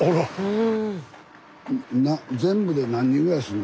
うん。